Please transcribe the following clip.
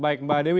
baik mbak dewi